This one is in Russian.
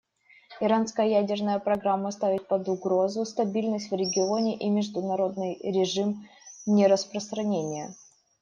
Иранская ядерная программа ставит под угрозу стабильность в регионе и международный режим нераспространения.